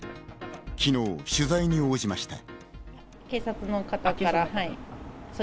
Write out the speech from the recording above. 昨日、取材に応じました。